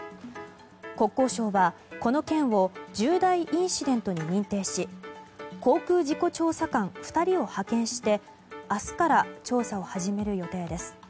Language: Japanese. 国交省はこの件を重大インシデント認定し航空事故調査官２人を派遣して明日から調査を始める予定です。